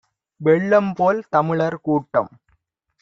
வெள்ளம்போல் தமிழர் கூட்டம்